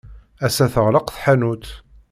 Ass-a teɣleq tḥanut.